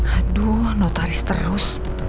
aduh notaris terus